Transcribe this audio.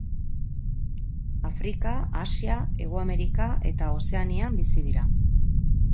Afrika, Asia, Hego Amerika eta Ozeanian bizi dira.